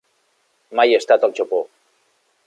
Mai he estat al Japó.